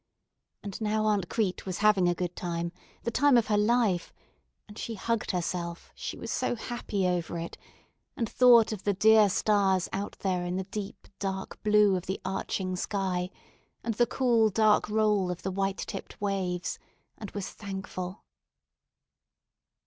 And now Aunt Crete was having a good time, the time of her life; and she hugged herself, she was so happy over it, and thought of the dear stars out there in the deep, dark blue of the arching sky, and the cool, dark roll of the white tipped waves, and was thankful.